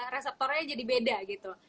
reseptornya jadi beda gitu